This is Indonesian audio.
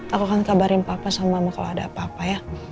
aku akan kabarin papa sama mama kalau ada apa apa ya